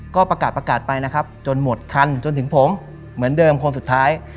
ก็ประกาศประกาศไปนะครับจนหมดคันจนถึงผมเหมือนเดิมคนสุดท้าย